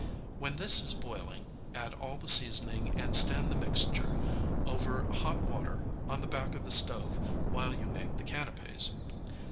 When this is boiling add all the seasoning and stand the mixture over hot water on the back of the stove while you make the canapķs.